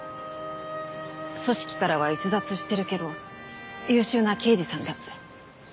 「組織からは逸脱してるけど優秀な刑事さんだ」って。